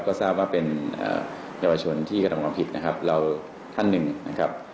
ก็ทราบว่าเป็นเยาวชนที่กระทำความผิดนะครับเราท่านหนึ่งนะครับ